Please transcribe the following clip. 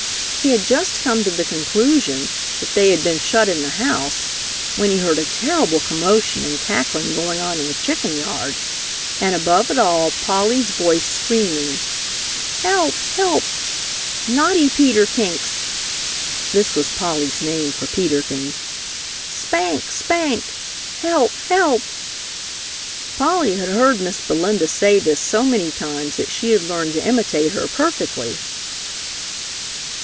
He had just come to the conclusion that they had been shut in the house when he heard a terrible commotion and cackling going on in the chicken yard, and above it all Polly's voice screaming, "Help! Help! Naughty Peter Kinks! (This was Polly's name for Peter Kins.) Spank! Spank! Help! Help!" Polly had heard Miss Belinda say this so many times that she had learned to imitate her perfectly.